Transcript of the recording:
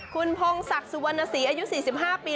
คุณพงศักดิ์สุวรรณศรีอายุ๔๕ปี